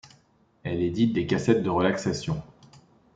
Elle édite des cassettes de relaxation.